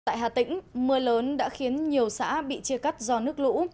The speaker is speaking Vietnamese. tại hà tĩnh mưa lớn đã khiến nhiều xã bị chia cắt do nước lũ